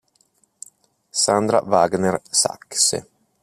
Sandra Wagner-Sachse